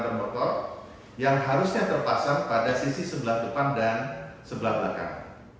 sepeda motor yang harusnya terpasang pada sisi sebelah depan dan sebelah belakang